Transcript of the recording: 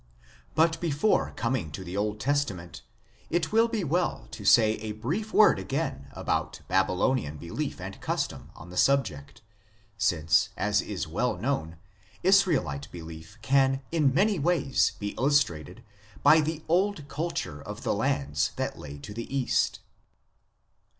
But before coming to the Old Testament it will be well to say a brief word again about Babylonian belief and custom on the subject, since, as is well known, Israelite belief can in many ways be illustrated by the old culture of the lands that lay to the east.